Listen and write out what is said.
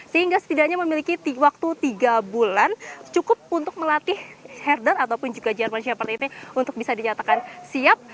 sehingga setidaknya memiliki waktu tiga bulan cukup untuk melatih herder ataupun juga german shapper ini untuk bisa dinyatakan siap